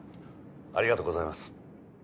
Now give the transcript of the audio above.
ありがとうございます。